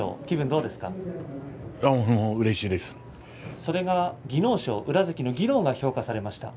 これは技能賞、宇良関の技能が評価されました。